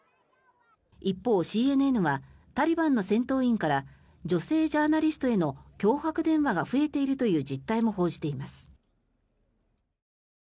一方、ＣＮＮはタリバンの戦闘員から女性ジャーナリストへの脅迫電話が増えているという実態も報じています。